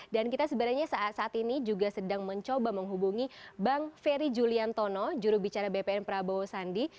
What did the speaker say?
dan kita sebenarnya saat ini juga sedang mencoba menghubungi bang ferry julian tono jurubicara bpn prabowo sandi